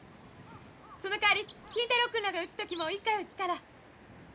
そのかわり金太郎君らが打つ時も一回打つから。